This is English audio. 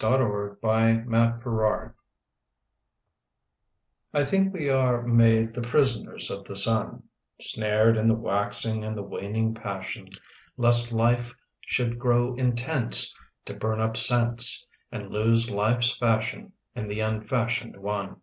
R. DODDS_ (UNIVERSITY) MEASURE I think we are made the prisoners of the sun, Snared in the waxing and the waning passion, Lest life should grow intense To burn up sense And lose life's fashion in the unfashioned One.